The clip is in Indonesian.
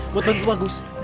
buat bantu bagus